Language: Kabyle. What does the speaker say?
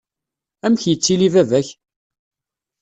Amek yettili baba-k?